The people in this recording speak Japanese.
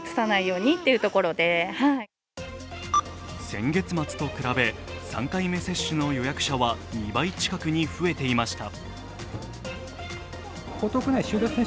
先月末と比べ３回目接種の予約者は２倍近くに増えていました。